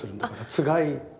つがいあ！